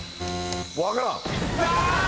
分からん。